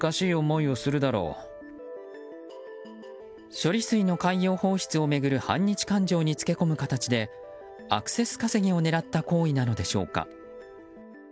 処理水の海洋放出を巡る反日感情につけ込む形で、アクセス稼ぎを狙った行為なのでしょうか。